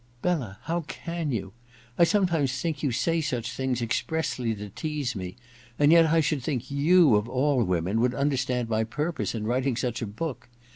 * 'Bella, how can you? I sometimes think you say such things expressly to tease me ; and yet I should think you of all women would understand my purpose in writing such a book.